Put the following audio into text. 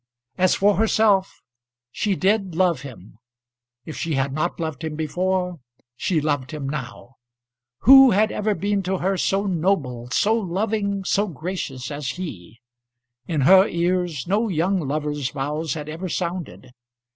As for herself, she did love him. If she had not loved him before, she loved him now. Who had ever been to her so noble, so loving, so gracious as he? In her ears no young lover's vows had ever sounded.